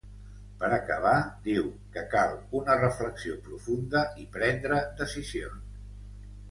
Per acabar, diu que ‘cal una reflexió profunda i prendre decisions’.